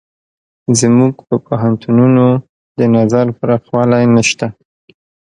زموږ په پوهنتونونو د نظر پراخوالی نشته.